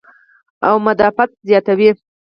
او مدافعت زياتوي -